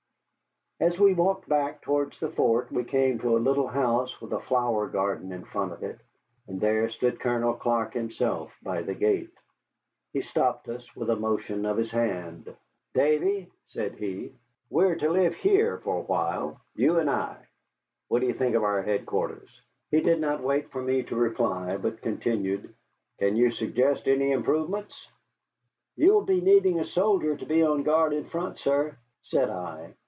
As we walked back towards the fort we came to a little house with a flower garden in front of it, and there stood Colonel Clark himself by the gate. He stopped us with a motion of his hand. "Davy," said he, "we are to live here for a while, you and I. What do you think of our headquarters?" He did not wait for me to reply, but continued, "Can you suggest any improvement?" "You will be needing a soldier to be on guard in front, sir," said I.